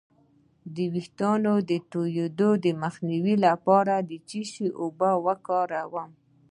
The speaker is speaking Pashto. د ویښتو د تویدو مخنیوي لپاره د څه شي اوبه وکاروم؟